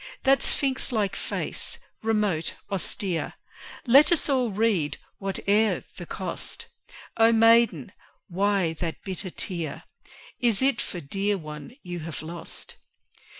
That sphinx like face, remote, austere, Let us all read, whate'er the cost: O Maiden! why that bitter tear? Is it for dear one you have lost?